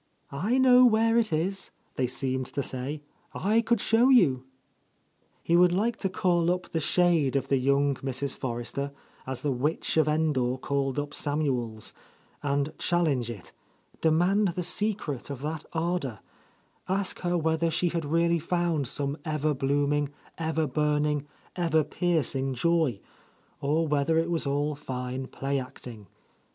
"I know where it is," they seemed to say, "I could show you I" He would like to call up the shade of the young Mrs. Forrester, as the witch of Endor called up Samuel's, and challenge it, demand the secret of that ardour; ask her whether she had really found some ever bloom — 171 A host Lady ing, ever burning, every piercing joy, or whether it was all fine play acting.